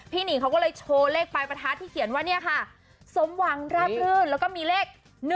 หนิงเขาก็เลยโชว์เลขปลายประทัดที่เขียนว่าเนี่ยค่ะสมหวังราบรื่นแล้วก็มีเลข๑๒